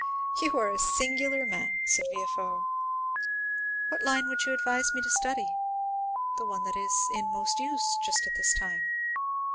"You are a singular man," said Villefort. "What line would you advise me to study?" "The one that is most in use just at this time."